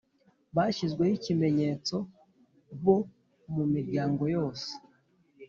bashyizweho ikimenyetso bo mu miryango yose